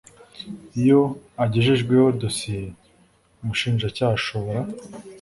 Iyo agejejweho dosiye Umushinjacyaha ashobora